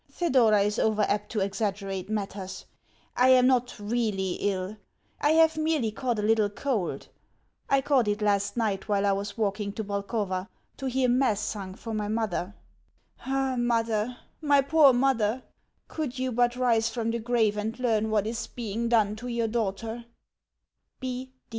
Thedora is over apt to exaggerate matters. I am not REALLY ill. I have merely caught a little cold. I caught it last night while I was walking to Bolkovo, to hear Mass sung for my mother. Ah, mother, my poor mother! Could you but rise from the grave and learn what is being done to your daughter!